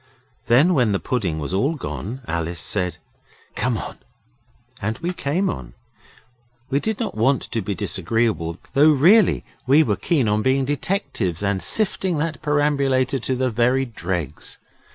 Then when the pudding was all gone, Alice said 'Come on.' And we came on. We did not want to be disagreeable, though really we were keen on being detectives and sifting that perambulator to the very dregs.